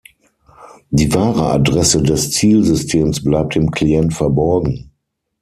Die wahre Adresse des Zielsystems bleibt dem Client verborgen.